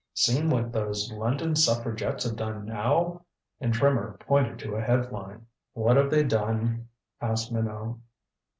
"Seen what those London suffragettes have done now?" And Trimmer pointed to a head line. "What have they done?" asked Minot.